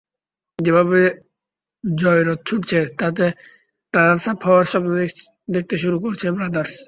যেভাবে জয়রথ ছুটছে তাতে রানার্সআপ হওয়ার স্বপ্ন দেখতে শুরু করেছে ব্রাদার্স।